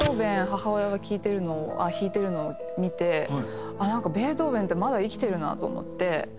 母親が聴いてるのをあっ弾いてるのを見てなんかベートーヴェンってまだ生きてるなと思って。